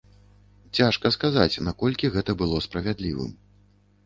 Цяжка сказаць, наколькі гэта было справядлівым.